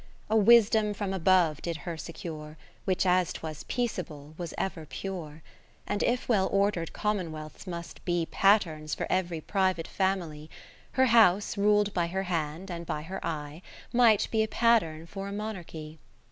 A wisdom from above did her secure. Which as 'twas peaceable, was ever pure. And if well order'd Commonwealths must be Patterns for every private family. Her house, rul'd by her hand and by her eye, Might be a pattern for a Monarchy.